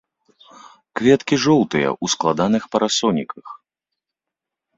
Кветкі жоўтыя, у складаных парасоніках.